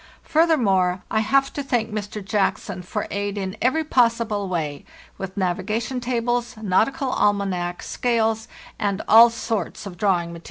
| Further more, I have to thank Mr. Jackson for aid in every possible way, with navigation tables, nautical almanac,* scales, and all sorts of drawing material.